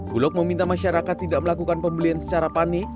bulog meminta masyarakat tidak melakukan pembelian secara panik